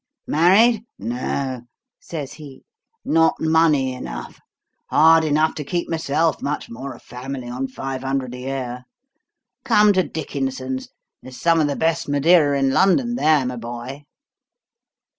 'Married? no,' says he. 'Not money enough. Hard enough to keep myself, much more a family, on five hundred a year. Come to Dickinson's; there's some of the best Madeira in London there, my boy.'